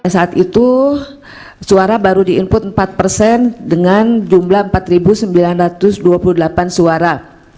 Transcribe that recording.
saat itu suara baru di input empat persen dengan jumlah empat sembilan ratus dua puluh delapan suara